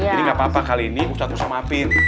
jadi gapapa kali ini usah usah mampir